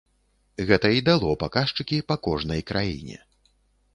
Гэта і дало паказчыкі па кожнай краіне.